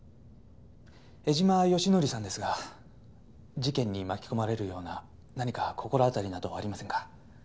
江島義紀さんですが事件に巻き込まれるような何か心当たりなどありませんか？